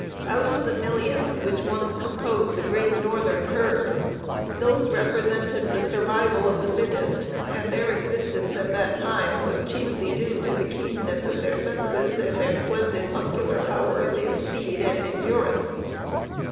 Out of the millions which once composed the great northern herd, those represented the survival of the fittest, and their existence at that time was chiefly due to the keenness of their senses and their splendid muscular powers in speed and endurance.